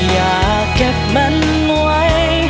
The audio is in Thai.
อยากเก็บมันไว้